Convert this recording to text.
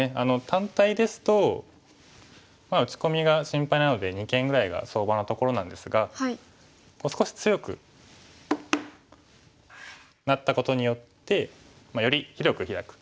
単体ですと打ち込みが心配なので二間ぐらいが相場のところなんですが少し強くなったことによってより広くヒラく。